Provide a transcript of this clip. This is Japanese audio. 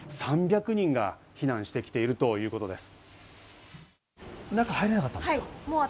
３００人が避難してきているということです。